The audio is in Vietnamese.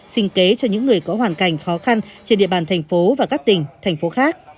xin kế cho những người có hoàn cảnh khó khăn trên địa bàn thành phố và các tỉnh thành phố khác